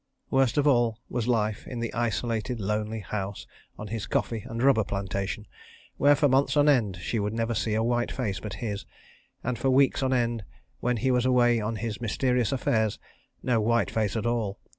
Worst of all was life in the isolated lonely house on his coffee and rubber plantation, where for months on end she would never see a white face but his, and for weeks on end, when he was away on his mysterious affairs, no white face at all.